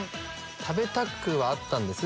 食べたくはあったんです